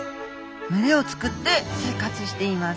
群れを作って生活しています